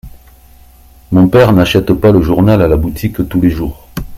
Mon père n’achète pas le journal à la boutique tous les jours.